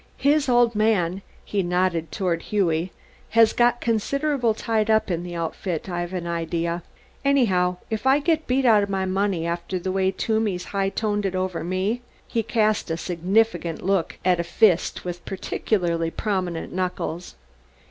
"His 'Old Man,'" he nodded toward Hughie, "has got consider'ble tied up in the Outfit, I've an idea. Anyhow, if I git beat out of my money after the way Toomey's high toned it over me " He cast a significant look at a fist with particularly prominent knuckles.